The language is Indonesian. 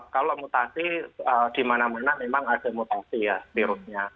kalau mutasi di mana mana memang ada mutasi ya virusnya